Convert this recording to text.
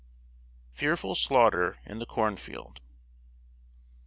[Sidenote: FEARFUL SLAUGHTER IN THE CORN FIELD.